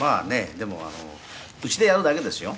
でも家でやるだけですよ」